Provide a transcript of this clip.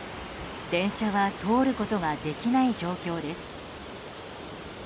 電車は通ることができない状況です。